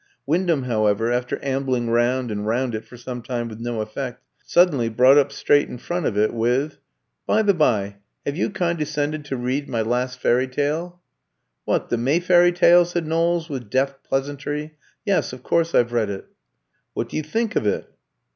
Wyndham, however, after ambling round and round it for some time with no effect, suddenly brought up straight in front of it with "By the bye, have you condescended to read my last fairy tale?" "What, the Mayfairy tale?" said Knowles, with deft pleasantry. "Yes, of course I've read it." "What do you think of it?"